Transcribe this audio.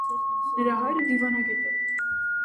Նրա հայրը դիվանագետ է։